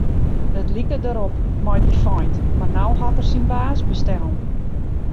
It like derop mei dy feint, mar no hat er syn baas bestellen.